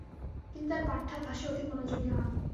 তিনি তার পাঠ্যাভ্যাসে অতি মনোযোগী হন।